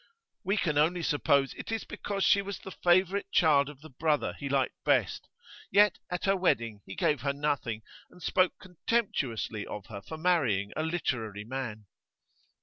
'We can only suppose it is because she was the favourite child of the brother he liked best. Yet at her wedding he gave her nothing, and spoke contemptuously of her for marrying a literary man.